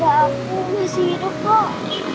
ya aku masih hidup kok